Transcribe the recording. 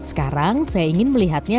sekarang saya ingin melihatnya